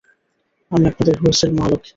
আমি আপনাদের হুঁইসেল মহালক্ষী।